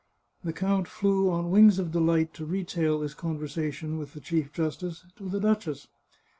The count flew on wings of delight to retail this con versation with the chief justice to the duchess.